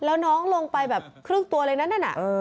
แล้วน้องลงไปแบบครึ่งตัวเลยนั่นน่ะ